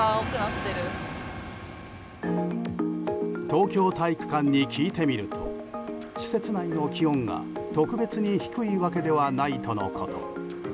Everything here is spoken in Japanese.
東京体育館に聞いてみると施設内の気温が特別に低いわけではないとのこと。